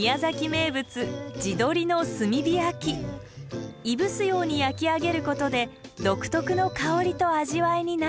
名物いぶすように焼き上げることで独特の香りと味わいになるのだとか。